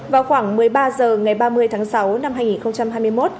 vào khoảng một mươi ba h ngày ba mươi tháng sáu năm hai nghìn hai mươi một